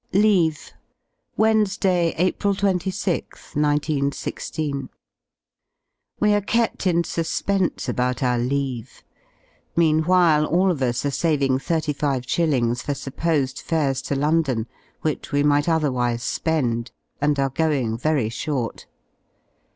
17 C2 LEAVE Wednesday, April 26th, 19 16. We are kept in suspense about our leave; meanwhile all of us are saving thirty five shillings for supposed fares to London, which we might otherwise spend, and are going very short.